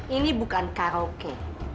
ini bukan karaoke